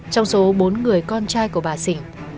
trong số bốn người con trai của bà dình